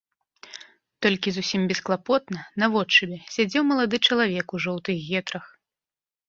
Толькі зусім бесклапотна, наводшыбе, сядзеў малады чалавек у жоўтых гетрах.